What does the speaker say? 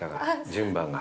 順番が。